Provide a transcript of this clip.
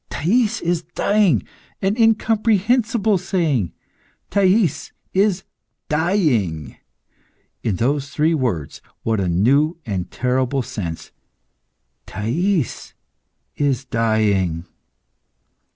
"Thais is dying!" An incomprehensible saying! "Thais is dying!" In those three words what a new and terrible sense! "Thais is dying!"